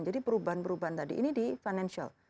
perubahan perubahan tadi ini di financial